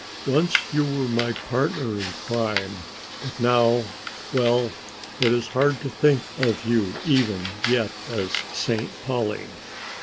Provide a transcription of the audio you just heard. Once you were my partner in crime, but now well, it is hard to think of you even yet as 'Saint Polly'!"